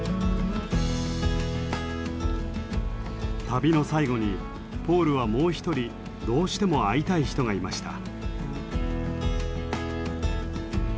旅の最後にポールはもう一人どうしても会いたい人がいました。